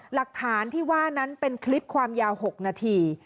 หลักฐานที่ว่านั้นเป็นคลิปความยาว๖นาที